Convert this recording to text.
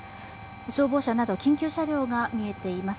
消防車など緊急車両が見えています。